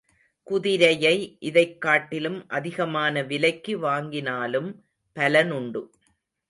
குதிரையை இதைக் காட்டிலும் அதிகமான விலைக்கு வாங்கினாலும் பலனுண்டு.